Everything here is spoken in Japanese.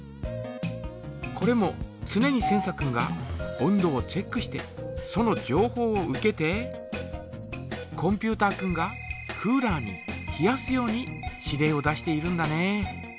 これもつねにセンサ君が温度をチェックしてそのじょうほうを受けてコンピュータ君がクーラーに冷やすように指令を出しているんだね。